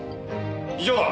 以上だ。